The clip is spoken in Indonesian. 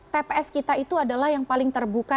tps kita itu adalah yang paling terbuka